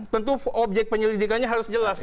tentu objek penyelidikannya harus jelas